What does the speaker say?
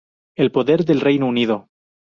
En poder del Reino Unido